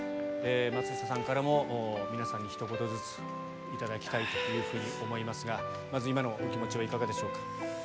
松下さんからも皆さんにひと言ずつ頂きたいというふうに思いますがまず今のお気持ちはいかがでしょうか？